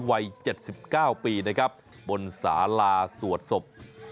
วัย๗๙ปีนะครับบนสาราสวดศพ